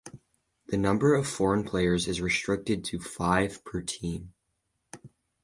The number of foreign players is restricted to five per team.